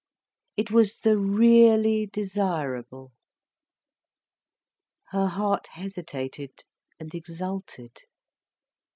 It was the really desirable. Her heart hesitated, and exulted.